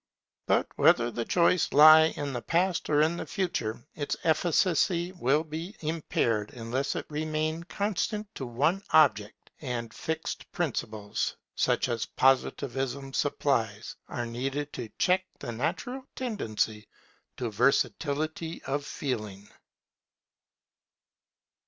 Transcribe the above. But whether the choice lie in the Past or in the Future, its efficacy would be impaired unless it remained constant to one object; and fixed principles, such as Positivism supplies, are needed to check the natural tendency to versatility of feeling.